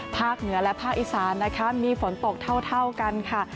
เหนือและภาคอีสานนะคะมีฝนตกเท่ากันค่ะ